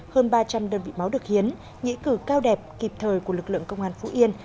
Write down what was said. hơn ba trăm linh đơn vị máu được hiến nhĩ cử cao đẹp kịp thời của lực lượng công an phú yên